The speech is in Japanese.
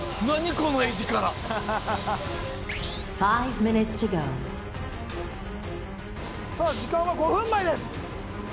この画力さあ時間は５分前です